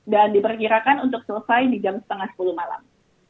dan diperkirakan untuk selesai di jam setengah sepuluh malam